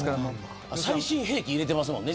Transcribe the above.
最新兵器入れてますもんね。